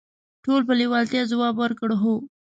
ټولو په لیوالتیا ځواب ورکړ: "هو".